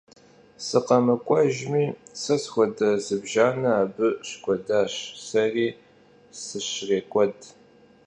Sıkhemık'uejjmi, se sxuede zıbjjane abı şık'uedaş, seri sışrêk'ued.